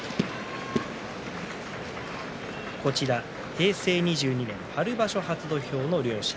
平成２２年、春場所初土俵の両者。